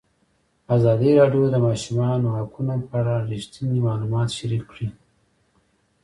ازادي راډیو د د ماشومانو حقونه په اړه رښتیني معلومات شریک کړي.